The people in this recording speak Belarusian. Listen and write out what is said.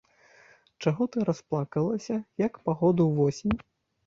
Чаго ты расплакалася, як пагода ўвосень?